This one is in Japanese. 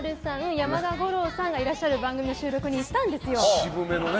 山田五郎さんがいらっしゃる番組の収録に行ってたんですよ。